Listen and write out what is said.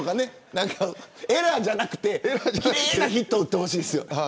エラーじゃなくてきれいなヒット打ってほしいですよ。